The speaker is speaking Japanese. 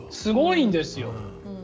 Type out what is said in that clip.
すごいんですよ。